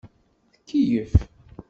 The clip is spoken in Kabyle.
Tkeyyef.